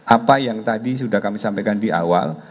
apa yang tadi sudah kami sampaikan di awal